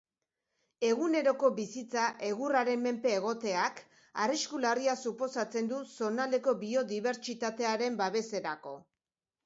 Eguneroko bizitza egurraren menpe egoteak arrisku larria suposatzen du zonaldeko biodibertsitatearen babeserako.